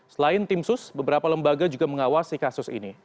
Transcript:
selain tim sus beberapa lembaga juga mengawasi kasus ini